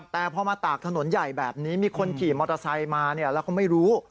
แต่พอมาตากถนนใหญ่แบบนี้มีคนขี่มอเตอร์ไซค์มาแล้วเขาไม่รู้